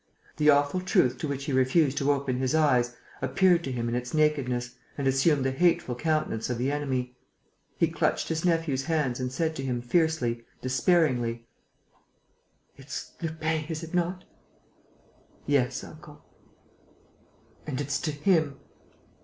The awful truth to which he refused to open his eyes appeared to him in its nakedness and assumed the hateful countenance of the enemy. He clutched his nephew's hands and said to him, fiercely, despairingly: "It's Lupin, is it not?" "Yes, uncle." "And it's to him